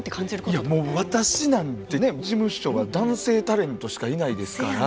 いやもう私なんて事務所が男性タレントしかいないですから。